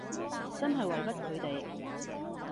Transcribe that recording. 真係委屈佢哋